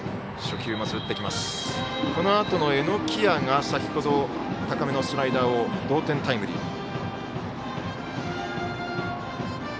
このあとの榎谷が先ほど高めのスライダーを同点タイムリー。